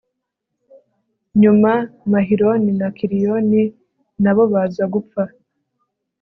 nyuma, mahiloni na kiliyoni na bo baza gupfa